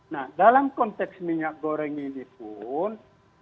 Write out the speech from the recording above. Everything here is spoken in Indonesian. nah dalam konteks minyak goreng ini pun